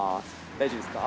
大丈夫ですか？